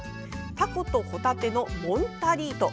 タコとホタテのモンタディート。